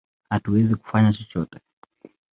Hatuwezi kufanya chochote!